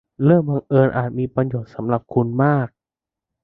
เรื่องบังเอิญอาจมีประโยชน์สำหรับคุณมาก